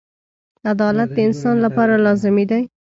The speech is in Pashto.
• عدالت د انسان لپاره لازمي دی.